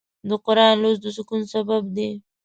د قرآن لوستل د سکون سبب دی.